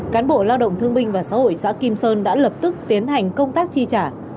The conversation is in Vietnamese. cán bộ lao động thương binh và xã hội xã kim sơn đã lập tức tiến hành công tác chi trả